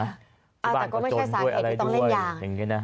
อ่าแต่ก็ไม่ใช่สารเอจไม่ต้องเล่นอย่าง